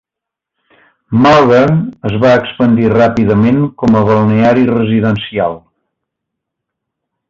Malvern es va expandir ràpidament com a balneari residencial.